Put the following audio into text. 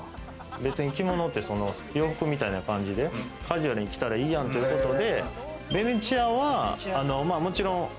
別に着物って洋服みたいな感じでカジュアルに着たらいいやんということで。